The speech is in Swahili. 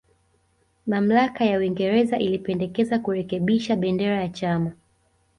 Mamlaka ya Uingereza ilipendekeza kurekebisha bendera ya chama